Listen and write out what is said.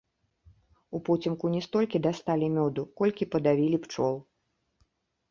Упоцемку не столькі дасталі мёду, колькі падавілі пчол.